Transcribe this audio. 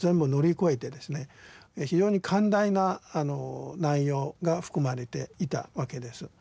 非常に寛大な内容が含まれていたわけです。